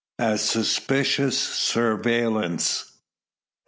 A SUSPICIOUS SURVEILLANCE.